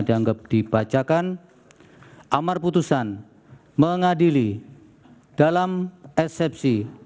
dianggap dibacakan amar putusan mengadili dalam eksepsi